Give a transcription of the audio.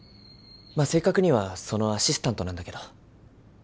まあ正確にはそのアシスタントなんだけど。